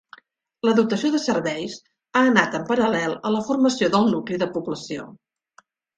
La dotació de serveis ha anat en paral·lel a la formació del nucli de població.